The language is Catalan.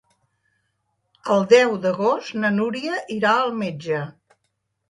El deu d'agost na Núria irà al metge.